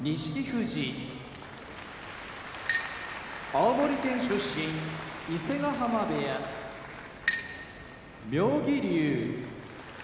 富士青森県出身伊勢ヶ濱部屋妙義龍